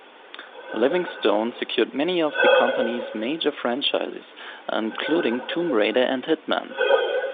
Livingstone secured many of the company's major franchises, including "Tomb Raider" and "Hitman".